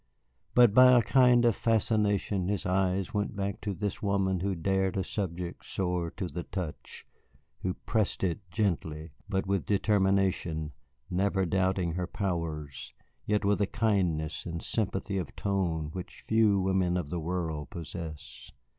But by a kind of fascination his eyes went back to this woman who dared a subject sore to the touch who pressed it gently, but with determination, never doubting her powers, yet with a kindness and sympathy of tone which few women of the world possess.